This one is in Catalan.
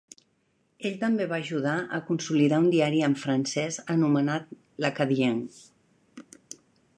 Ell també va ajudar a consolidar un diari en francès anomenat "l'Acadien".